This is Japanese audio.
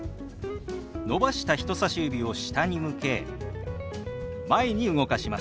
伸ばした人さし指を下に向け前に動かします。